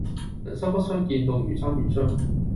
人生不相見，動如參與商。